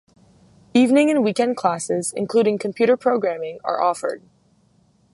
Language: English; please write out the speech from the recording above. Evening and weekend classes, including computer programming are offered.